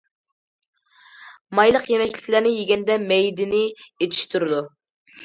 مايلىق يېمەكلىكلەرنى يېگەندە مەيدىنى ئېچىشتۇرىدۇ.